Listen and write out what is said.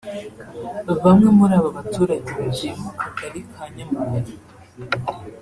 Bamwe muri aba baturage batuye mu Kagari ka Nyamugari